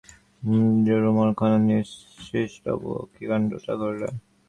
সেজদিদির রুমালখানা নিয়ে শ্রীশবাবু কী কাণ্ডটাই করলে?